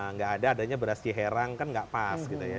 nggak ada adanya beras ciherang kan nggak pas gitu ya